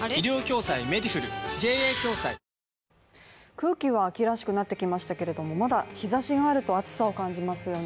空気は秋らしくなってきましたけれどもまだ日差しがあると暑さを感じますね